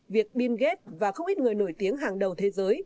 việc bill gat và không ít người nổi tiếng hàng đầu thế giới